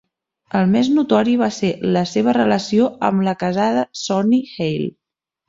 El més notori va ser la seva relació amb la casada Sonnie Hale.